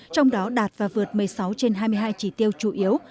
trong đó đạt và vượt một mươi sáu trên hai mươi hai chỉ tiêu chủ yếu